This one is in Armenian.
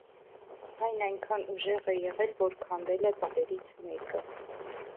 Այն այնքան ուժեղ է եղել, որ քանդել է պատերից մեկը։